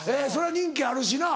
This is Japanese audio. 人気あるしな。